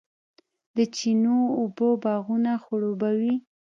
د چینو اوبه باغونه خړوبوي.